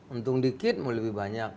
untung dikit mau lebih banyak